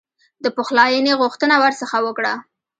د پخلایني غوښتنه ورڅخه وکړه.